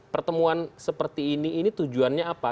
pertemuan seperti ini ini tujuannya apa